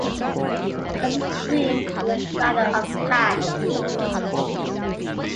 There was a scream and a clatter of pans.